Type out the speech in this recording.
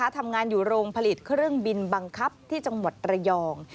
ทำงานอยู่โรงผลิตเครื่องบินบังคับที่จังหวัดระยอง